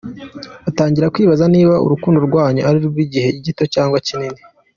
Atangira kwibaza niba urukundo rwanyu ari urw’igihe gito cyangwa kinini.